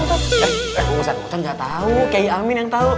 eh ustadz musa gak tau kayak amin yang tau